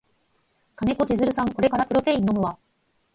金子千尋さんこれからプロテイン飲むわ